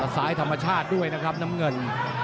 ซ้ายธรรมชาติด้วยนะครับน้ำเงิน